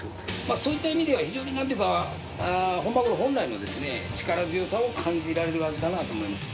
そういった意味では非常になんていうか、本マグロ本来の力強さを感じられる味だなと思います。